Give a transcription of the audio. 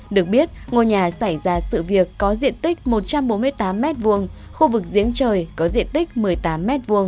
được biết ngôi nhà xảy ra sự việc có diện tích một trăm bốn mươi tám m hai khu vực diễn trời có diện tích một mươi tám m hai